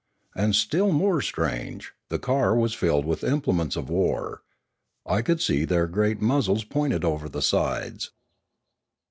And still more strange, the car was filled with implements of war; I could see their great muzzles pointed over the sides.